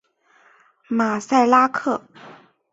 马赛拉克。